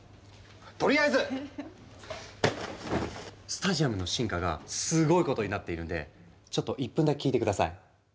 とりあえずスタジアムの進化がすごいことになっているんでちょっと１分だけ聞いて下さい。